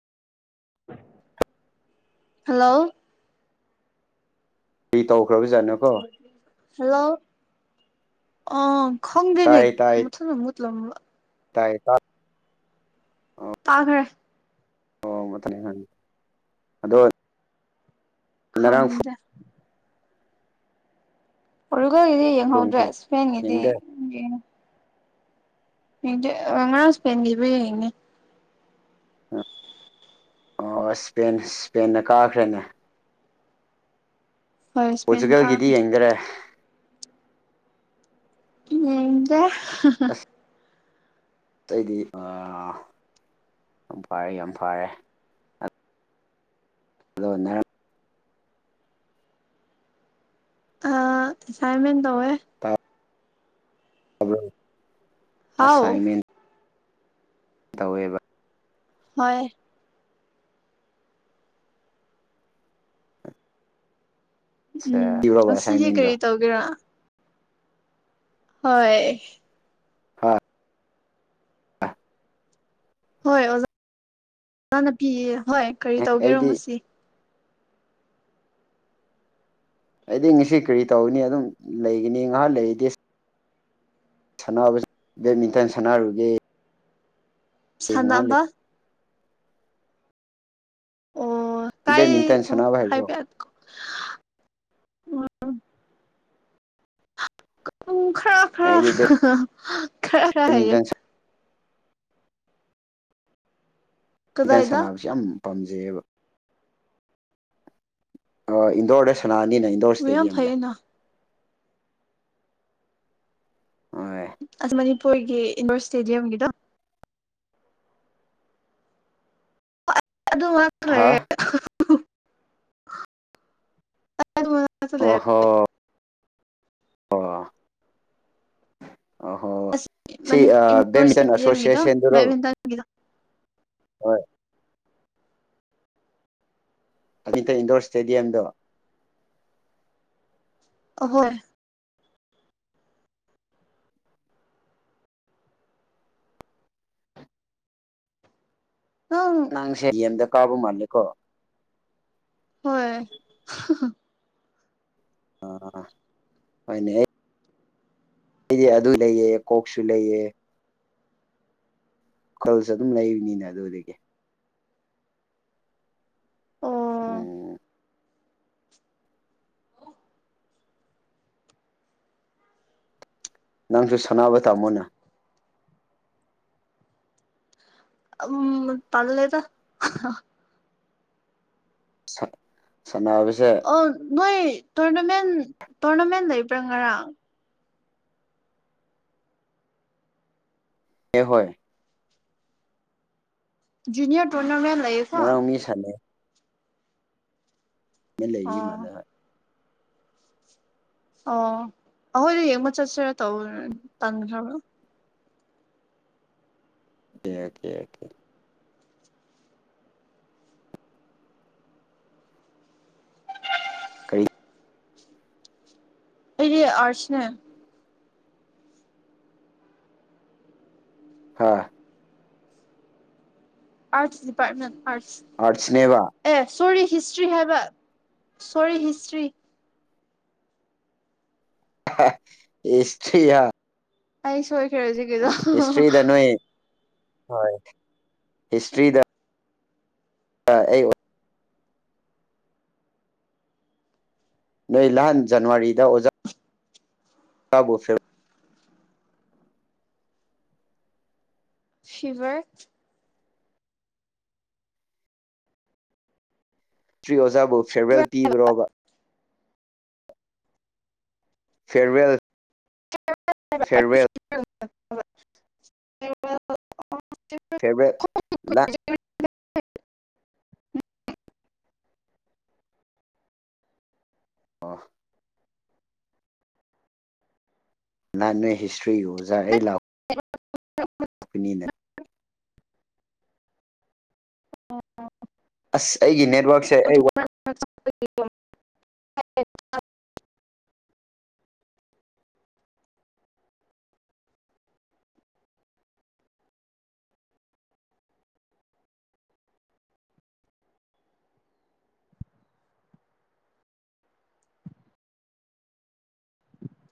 hello ꯀꯔꯤ ꯇꯧ hello ꯑ ꯈꯪ ꯗꯦꯅꯦ ꯃꯊꯟꯗ ꯃꯨꯠ ꯂꯝꯕ ꯇꯥꯏꯌꯦ ꯇꯥ ꯇꯥꯈ꯭ꯔꯦ ꯑꯣ ꯃꯊꯅꯦ ꯑꯗꯣ ꯉꯔꯥꯡ ꯈꯪꯗꯦ ꯄꯣꯔꯇꯨꯒꯜꯒꯤꯗꯤ ꯌꯦꯡꯍꯧꯗ꯭ꯔꯦ ꯐꯨꯡꯁꯦ ꯏꯁꯄꯦꯟꯒꯤꯗꯤ ꯌꯦꯡꯗꯦ ꯌꯦꯡ ꯌꯦꯡꯗꯦ ꯑ ꯉꯥꯔꯥꯡ ꯁꯄꯦꯟꯒꯤꯗꯣ ꯌꯦꯡꯉꯤ ꯑꯣ ꯏꯁꯄꯦꯟ ꯏꯁꯄꯦꯟꯅ ꯀꯥꯈ꯭ꯔꯦꯅꯦ ꯍꯣꯏ ꯏꯁꯄꯦꯟ ꯄꯣꯔꯆꯨꯒꯜꯒꯤꯗꯤ ꯀꯥꯈ꯭ꯔꯦ ꯌꯦꯡꯗꯔꯦ ꯌꯦꯡꯗꯦ ꯑꯇꯩꯗꯤ ꯑꯥ ꯌꯥꯝ ꯐꯔꯦ ꯌꯥꯝ ꯐꯔꯦ ꯑꯗꯣ ꯅꯪ ꯑꯥ ꯁꯥꯏꯃꯦꯟ ꯇꯧꯋꯦ ꯍꯥꯎ ꯑꯁꯥꯏꯟꯃꯦꯟ ꯇꯧꯋꯦꯕ ꯍꯣꯏ ꯎꯝ ꯄꯤꯔꯣꯕ ꯑꯁꯤꯁꯦ ꯑꯁꯥꯏꯟꯃꯦꯟꯗꯣ ꯀꯔꯤ ꯇꯧꯒꯦꯔ ꯍꯣꯏ ꯍꯥꯥ ꯍꯣꯏ ꯑꯣꯖꯥ ꯑꯣꯖꯥꯅ ꯄꯤ ꯍꯣꯏ ꯀꯔꯤ ꯑꯦ ꯇꯧꯒꯦꯔꯣ ꯑꯩꯗꯤ ꯉꯁꯤ ꯑꯩꯗꯤ ꯉꯁꯤ ꯀꯔꯤ ꯇꯧꯒꯅꯤ ꯑꯗꯨꯝ ꯂꯩꯒꯅꯤ ꯉꯥꯏꯍꯥꯛ ꯂꯩꯔꯤꯗꯤ ꯁꯥꯟꯅꯕ [unintelligible] ꯕꯦꯠꯃꯤꯟꯇꯟ ꯁꯥꯟꯅꯔꯨꯒꯦ ꯉꯥꯏꯍꯥꯛ ꯁꯥꯟꯅꯕ ꯂꯩ ꯑꯣ ꯇꯥꯏ ꯕꯦꯠꯃꯤꯟꯇꯟ ꯁꯥꯟꯅꯕ ꯍꯥꯏꯕ꯭ꯔꯣ ꯍꯥꯏꯕꯤ ꯎ ꯎ ꯈꯔ ꯈꯔ ꯑꯩꯗꯤ ꯈꯔ ꯈꯔ ꯍꯩꯌꯦ ꯕꯦꯠꯃꯤꯟꯇꯟ ꯇꯟ ꯀꯗꯥꯏꯗ ꯁꯥꯟꯅꯕꯁꯦ ꯌꯥꯝ ꯄꯥꯝꯖꯩꯌꯦꯕ ꯏꯟꯗꯣꯔꯗ ꯁꯅꯥꯅꯤꯅ ꯏꯟꯗꯣꯔ ꯍꯣꯏ ꯌꯥꯝ ꯏꯁꯇꯦꯗꯤꯌꯝꯗ ꯐꯩꯌꯦꯅ ꯍꯣꯏ ꯑꯩꯈꯣꯏꯒꯤ ꯏꯟꯗꯣꯔ ꯏꯁꯇꯦꯗꯤꯌꯝꯒꯤꯗꯣ ꯑꯗꯨ ꯉꯥꯡꯗꯣ ꯍꯥ ꯂꯣꯢꯔꯦ ꯑꯣ ꯍꯣ ꯑꯣ ꯑꯣ ꯍꯣ ꯑꯁ ꯁꯤ ꯃꯅꯤꯄꯨꯔ ꯏꯟꯗꯣꯔ ꯕꯦꯠꯃꯤꯟꯇꯟ ꯏꯁꯇꯦꯗꯤꯌꯝꯒꯤꯗꯣ ꯑꯁꯣꯁꯤꯌꯦꯁꯟꯗꯨꯔꯣ ꯕꯦꯠꯃꯤꯟꯇꯟꯒꯤꯗꯣ ꯍꯣꯏ ꯑꯇ ꯏꯟꯗꯣꯔ ꯏꯁꯇꯦꯗꯤꯌꯝꯗꯣ ꯑꯍꯣꯏ ꯅꯪ ꯁꯦ ꯗꯤ ꯌꯦꯝꯗ ꯀꯥꯕ ꯃꯥꯂꯦꯀꯣ ꯍꯣꯏ ꯑꯥ ꯍꯣꯏꯅꯦ ꯑꯩꯗꯤ ꯑꯗꯨ ꯂꯩꯌꯦ ꯀꯣꯛꯁꯨ ꯂꯩꯌꯦ ꯈꯨꯜꯁꯨ ꯑꯗꯨꯝ ꯂꯩꯕꯅꯤꯅ ꯑꯗꯨꯗꯒꯤ ꯑꯣ ꯎꯝ ꯅꯪꯁꯨ ꯁꯥꯟꯅꯕ ꯇꯥꯃꯣꯅꯦ ꯎꯝ ꯇꯜꯂꯦꯗ [unintelligible] ꯑꯦ ꯑꯣ ꯅꯣꯏ ꯇꯣꯔꯅꯃꯦꯟ ꯇꯣꯔꯅꯃꯦꯟ ꯂꯩꯕ꯭ꯔꯥ ꯉꯔꯥꯡ ꯑꯦꯍꯣꯏ ꯖꯨꯅꯤꯌꯔ ꯇꯣꯔꯅꯥꯃꯦꯟ ꯂꯩꯌꯦꯀꯣ ꯉꯔꯥꯡ ꯃꯤ ꯁꯥꯅꯩꯌꯦ ꯃ ꯂꯩ ꯑꯣ ꯃꯥꯂ ꯍꯣꯏ ꯑꯣ ꯑꯩꯈꯣꯏꯗ ꯌꯦꯡꯕ ꯆꯠꯁꯤꯔꯥ ꯇꯧ ꯇꯟꯈ꯭ꯔꯕ꯭ꯔ ꯑꯣꯀꯦ ꯑꯣꯀꯦ ꯑꯣꯀꯦ ꯀꯔꯤ ꯑꯩꯗꯤ ꯑꯔꯠꯁꯅꯦ ꯍꯥꯥ ꯑꯥꯔꯠꯁ ꯗꯤꯄꯥꯠꯔꯃꯦꯟ ꯑꯥꯔꯠꯁꯅꯦꯕ ꯁꯣꯔꯤ ꯍꯤꯁꯇ꯭ꯔꯤ ꯍꯥꯏꯕ ꯁꯣꯔꯤ ꯍꯤꯁꯇ꯭ꯔꯤ ꯍꯦꯍꯦ ꯍꯤꯁꯁ꯭ꯔꯤꯌꯥ ꯑꯩꯁꯨ ꯑꯩ ꯍꯧꯖꯤꯛꯀꯤꯗꯣ ꯍꯤꯁꯇ꯭ꯔꯤꯗ ꯅꯣꯏ ꯍꯣꯏ ꯍꯤꯁꯇ꯭ꯔꯤꯗ ꯑꯥ ꯑꯩ ꯅꯣꯏ ꯅꯍꯥꯟ ꯖꯅꯋꯥꯔꯤꯗ ꯑꯣꯖꯥ ꯀꯕꯨꯐꯤꯜ ꯐꯤꯚꯔ ꯇ꯭ꯔꯤ ꯑꯣꯖꯥꯕꯨ ꯐꯦꯔꯋꯦꯜ ꯄꯤꯕ꯭ꯔꯣꯕ ꯐꯦꯔꯋꯦꯜ ꯐꯦꯔꯋꯦꯜ [inaudible] ꯐꯦꯔꯋꯦꯜꯅꯥ ꯎꯝ ꯑꯣ ꯅꯍꯥꯟ ꯅꯣꯏ ꯍꯤꯁꯇ꯭ꯔꯤꯒꯤ ꯑꯩꯈꯣꯏꯅꯤꯅ ꯑꯁ ꯑꯩꯒꯤ ꯅꯦꯠꯋꯥꯛꯁꯦ ꯑꯩ [inaudible] [inaudible]